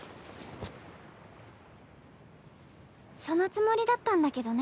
そのつもりだったんだけどね。